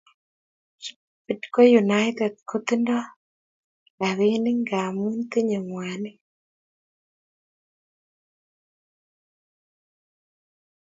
Bidco united kotindo rapinik ngamun tinye mwanik